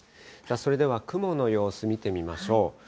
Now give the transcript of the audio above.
それでは雲の様子、見てみましょう。